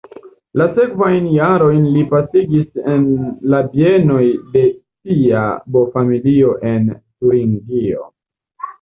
La sekvajn jarojn li pasigis en la bienoj de sia bo-familio en Turingio.